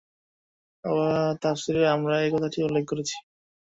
তাফসীরে আমরা এ কথাটি উল্লেখ করেছি।